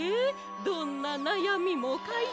どんななやみもかいけつよ。